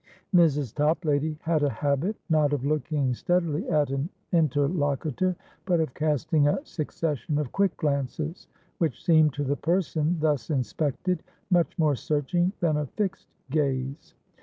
Mrs. Toplady had a habit, not of looking steadily at an interlocutor, but of casting a succession of quick glances, which seemed to the person thus inspected much more searching than a fixed gaze.